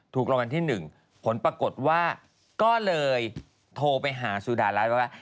ถูกรางวัลที่หนึ่งผลปรากฏว่าก็เลยโทรไปหาสุดารักษณ์แล้ว